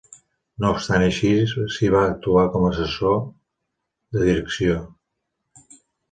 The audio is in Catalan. No obstant així si va actuar com a assessor de direcció.